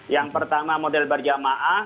yang pertama model berjamaah